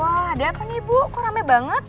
wah ada apa nih bu kok rame banget